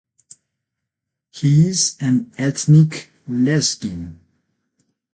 He is an ethnic Lezgin.